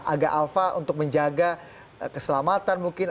agak alfa untuk menjaga keselamatan mungkin